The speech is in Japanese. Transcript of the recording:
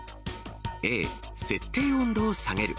Ａ、設定温度を下げる。